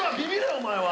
お前は。